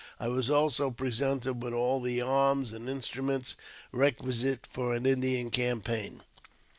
I was also pre sented with all the arms and instruments requisite for an Indian campaign.